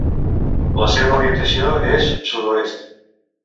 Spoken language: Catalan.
La seva orientació és sud-oest.